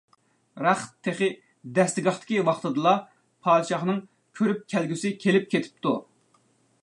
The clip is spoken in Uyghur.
رەخت تېخى دەستىگاھتىكى ۋاقتىدىلا، پادىشاھنىڭ كۆرۈپ كەلگۈسى كېلىپ كېتىپتۇ.